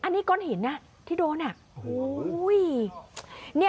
อันนี้ก้อนหินที่โดน